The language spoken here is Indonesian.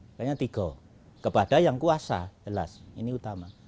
sebenarnya tiga kepada yang kuasa jelas ini utama